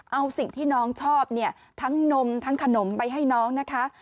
เอาสิ่งที่น้องชอบเนี่ยทั้งนมทั้งขนมไปให้น้องนะคะ